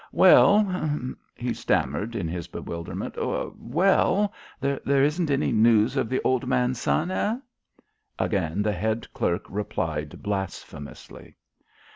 "Well," he stammered in his bewilderment, "well there isn't any news of the old man's son, hey?" Again the head clerk replied blasphemously.